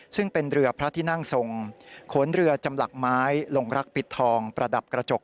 ซึ่งเป็นเรือพระที่นั่งทรงขนเรือจำหลักไม้ลงรักปิดทองประดับกระจก